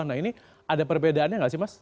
nah ini ada perbedaannya nggak sih mas